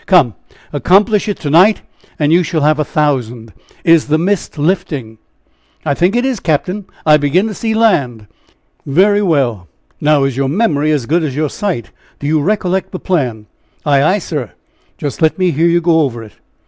Come, accomplish it to night, and you shall have a thousand. Is the mist lifting?" "I think it is, cap'n! I begin to see land." "Very well! now, is your memory as good as your sight? Do you recollect the plan?" "Ay, ay, sir." "Just let me hear you go over it."